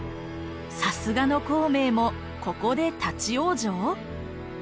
さすがの孔明もここで立往生！？